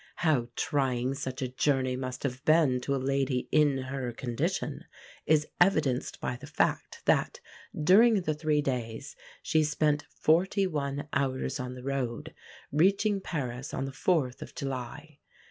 How trying such a journey must have been to a lady in her condition is evidenced by the fact that, during the three days, she spent forty one hours on the road, reaching Paris on the 4th of July.